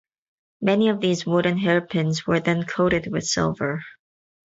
Many of these wooden hairpins were then coated with silver.